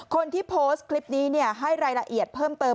คนที่โพสต์คลิปนี้ให้รายละเอียดเพิ่มเติม